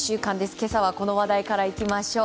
今朝は、この話題からいきましょう。